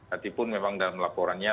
hatipun memang dalam laporannya